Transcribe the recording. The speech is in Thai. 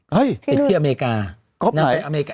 เฮ้ยติดที่อเมริกา